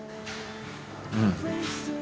うん。